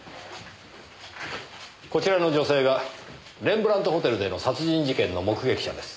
こちらの女性がレンブラントホテルでの殺人事件の目撃者です。